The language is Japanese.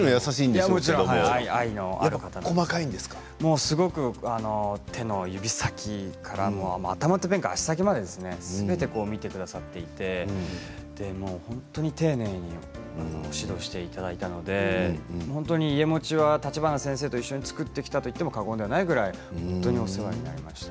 愛のある方ですごく手の指先とか頭から足の先までですねすべて見てくださっていて本当に丁寧に指導していただいたので本当に家茂は橘先生と一緒に作ってきたと言っても過言ではないぐらい本当にお世話になりました。